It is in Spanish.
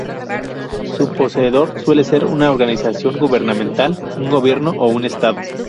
Su poseedor suele ser una organización gubernamental, un Gobierno o un Estado.